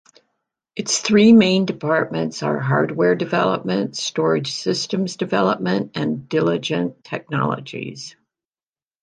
Its three main departments are Hardware Development, Storage Systems Development, and Diligent Technologies.